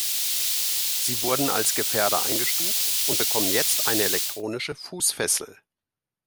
Sie wurden als Gefährder eingestuft und bekommen jetzt eine elektronische Fußfessel.